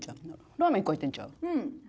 ラーメン１個入ってんちゃう？